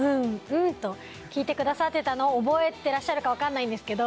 と聞いてくださってたのを覚えてらっしゃるか分かんないんですけど。